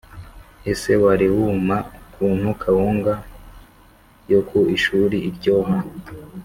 Ese wariwuma ukuntu kawuga yok u ishuri iryoha